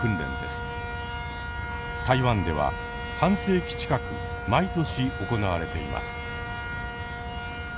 台湾では半世紀近く毎年行われています。